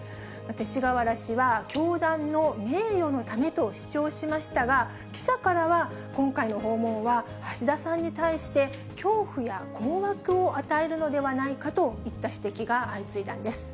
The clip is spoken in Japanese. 勅使河原氏は教団の名誉のためと主張しましたが、記者からは、今回の訪問は橋田さんに対して、恐怖や困惑を与えるのではないかといった指摘が相次いだんです。